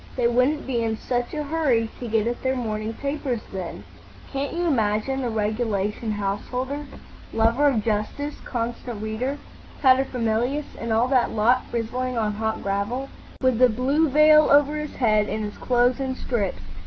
They wouldn't be in such a hurry to get at their morning papers then. Can't you imagine the regulation householder—Lover of Justice, Constant Reader, Paterfamilias, and all that lot—frizzling on hot gravel?" "With a blue veil over his head, and his clothes in strips.